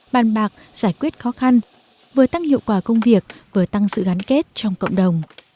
bàn bạc giải quyết khó khăn vừa tăng hiệu quả công việc vừa tăng sự gắn kết trong cộng đồng